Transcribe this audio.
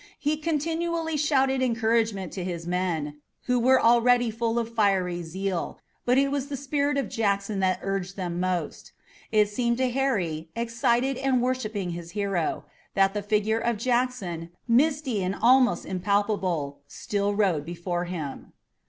He continually shouted encouragement to his men, who were already full of fiery zeal, but it was the spirit of Jackson that urged them most. It seemed to Harry, excited and worshipping his hero, that the figure of Jackson, misty and almost impalpable, still rode before him.